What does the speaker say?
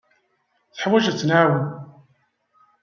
Teḥwaj ad tt-nɛawen.